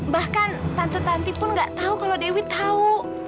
bahkan tante tante pun gak tahu kalau dewi tahu